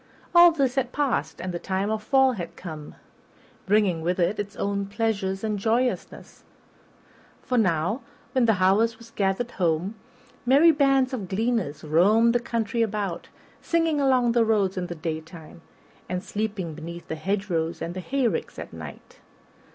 All this had passed and the time of fall had come, bringing with it its own pleasures and joyousness; for now, when the harvest was gathered home, merry bands of gleaners roamed the country about, singing along the roads in the daytime, and sleeping beneath the hedgerows and the hay ricks at night.